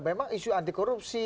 memang isu anti korupsi